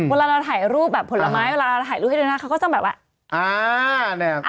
เวลาเราถ่ายรูปแบบผลไม้เวลาเราถ่ายรูปให้เดินหน้าเขาก็จะแบบว่า